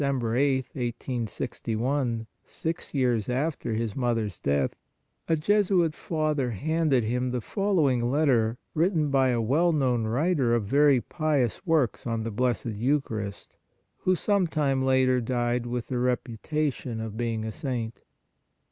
8th, 1861, six years after his mother s death, a Jesuit Father handed him the following letter written by a well known writer of very pious works on the Blessed Eucharist, who some time later died with the reputation of being a saint.